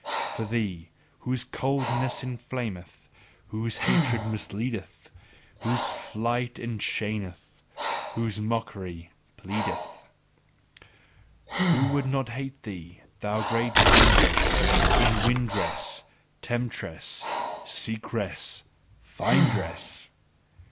For thee, whose coldness inflameth, whose hatred misleadeth, whose flight enchaineth, whose mockery pleadeth: Who would not hate thee, thou great bindress, inwindress, temptress, seekress, findress!